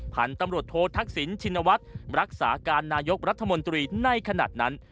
พันธุ์ตำรวจโทษทักษิณชินวัฒน์รักษาการนายกรัฐมนตรีในขณะนั้น